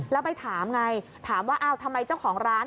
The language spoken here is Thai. แล้วไปถามไงถามว่าอ้าวทำไมเจ้าของร้าน